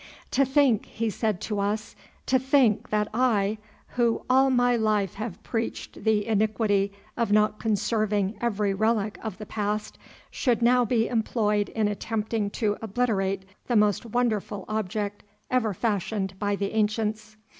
"To think," he said to us, "to think that I, who all my life have preached the iniquity of not conserving every relic of the past, should now be employed in attempting to obliterate the most wonderful object ever fashioned by the ancients!